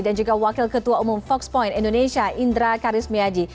dan juga wakil ketua umum foxpoint indonesia indra karismiyaji